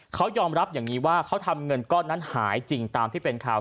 เขายอมรับอย่างนี้ว่าเขาทำเงินก้อนนั้นหายจริงตามที่เป็นข่าว